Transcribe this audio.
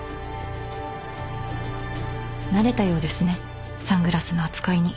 慣れたようですねサングラスの扱いに。